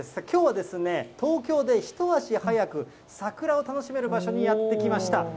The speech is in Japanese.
きょうはですね、東京で一足早く桜を楽しめる場所にやって来ました。